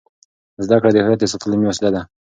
زده کړه د هویت د ساتلو وسیله ده.